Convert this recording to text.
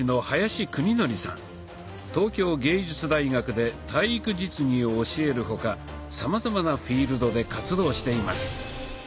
東京藝術大学で体育実技を教える他さまざまなフィールドで活動しています。